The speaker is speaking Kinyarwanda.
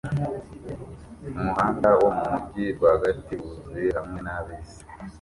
Umuhanda wo mumujyi rwagati wuzuye hamwe na bisi